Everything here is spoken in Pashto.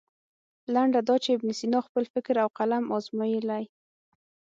لنډه دا چې ابن سینا خپل فکر او قلم ازمویلی.